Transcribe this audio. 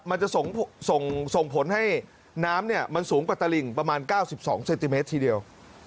มันจะส่งผลให้น้ำมันสูงกว่าตลิ่งประมาณ๙๒เซนติเมตรทีเดียว